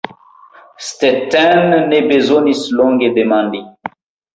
Stetten ne bezonis longe demandi.